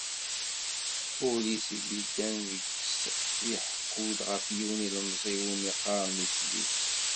Ullis i d-yeddan deg-s iḥekku-d ɣef yiwen ilemẓi iwumi qqaren Lusyus.